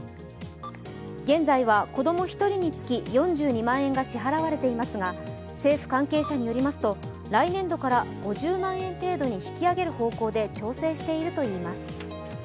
現在は子供１人につき４２万円が支払われていますが政府関係者によりますと来年度から５０万円程度に引き上げる方向で調整しているといいます。